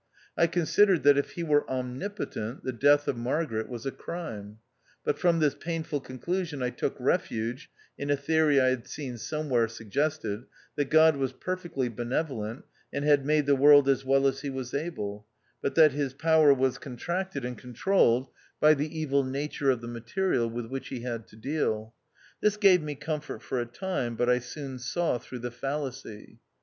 I considered that if he were omni potent, the death of Margaret was a crime ; but from this painful conclusion I took re fuge in a theory I had seen somewhere sug gested, that God was perfectly benevolent, and had made the world as well as he was able ; but that his power was contracted and controlled by the evil nature of the material with which he had to deal. This gave me comfort for a time, but I soon saw through the fallacy.